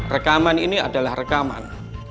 rekaman ini adalah rekaman